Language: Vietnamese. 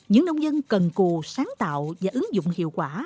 những nông dân cần cù sáng tạo và ứng dụng hiệu quả